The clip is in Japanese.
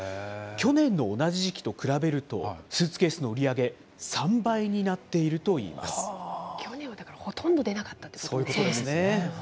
去年の同じ時期と比べると、スーツケースの売り上げ、３倍になっ去年はだからほとんど出なかそういうことですね。